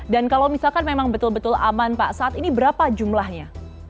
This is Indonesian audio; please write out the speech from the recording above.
dan kalau misalkan memang betul betul aman pak saat ini berapa jumlahnya